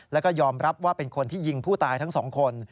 แล้วก็ยอมรับว่าเป็นคนที่ยิงผู้ตายทั้งสองคน